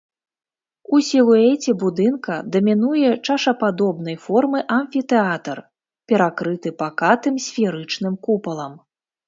У сілуэце будынка дамінуе чашападобнай формы амфітэатр, перакрыты пакатым сферычным купалам.